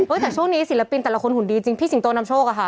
แต่ช่วงนี้ศิลปินแต่ละคนหุ่นดีจริงพี่สิงโตนำโชคอะค่ะ